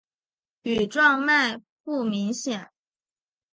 羽状脉不明显。